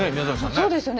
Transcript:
そうですよね。